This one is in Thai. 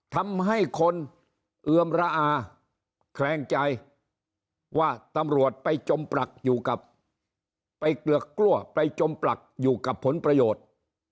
ทำให้คนแข็งใจว่าตำรวจไปจมปรักอยู่กับผลประโยชน์